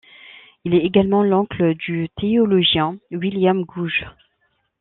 Il est également l'oncle du théologien William Gouge.